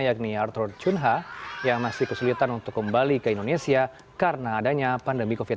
yakni arthur cunha yang masih kesulitan untuk kembali ke indonesia karena adanya pandemi covid sembilan belas